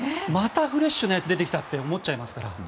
またフレッシュなやつが出てきたって思っちゃいますから。